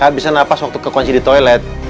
tidak bisa nafas waktu kekunci di toilet